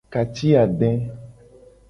Ka ci ade.